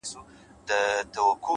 د زړې دروازې زنګ تل یو ډول داستان لري؛